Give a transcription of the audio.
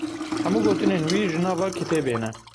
Hemû gotinên wî ji nava kitêbê ne.